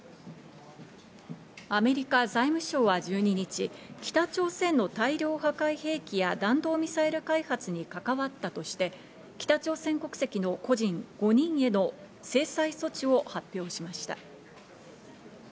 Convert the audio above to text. アメリカ財務省は１２日、北朝鮮の大量破壊兵器や弾道ミサイル開発に関わったとして、北朝鮮国籍の個人５人への制裁措置を発表しました。